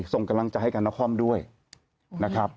ส่งกำลังใจให้กับนครด้วยนะครับ